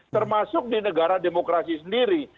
termasuk di negara demokrasi sendiri